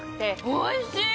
おいしい！